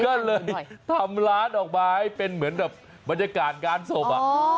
ก็เลยทำร้านออกมาให้เป็นเหมือนแบบบรรยากาศงานศพ